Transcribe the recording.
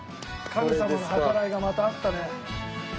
神様の計らいがまたあったね。